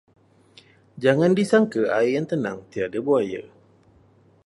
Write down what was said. Jangan disangka air yang tenang tiada buaya.